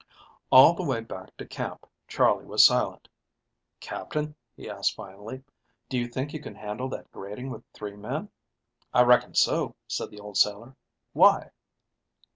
All the way back to camp Charley was silent. "Captain," he asked finally, "do you think you can handle that grading with three men?" "I reckon so," said the old sailor. "Why?"